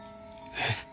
えっ。